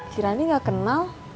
kirani gak kenal